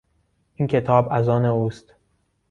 این کتاب از آن اوست.